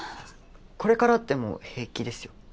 これからでも平気ですよ。